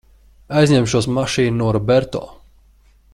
Aizņemšos mašīnu no Roberto.